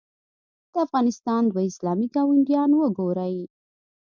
د افغانستان دوه اسلامي ګاونډیان وګورئ.